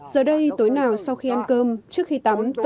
giờ đây tối nào sau khi ăn cơm trước khi tắm tôi cũng khó